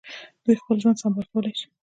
دوی خپل ژوند سمبال کولای شي.